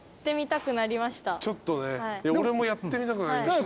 俺もやってみたくなりました。